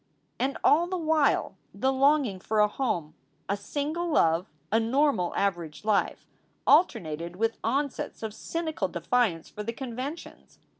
And all the while the longing for a home, a single love, a normal average life, alternated with onsets of cynical defiance for the conventions.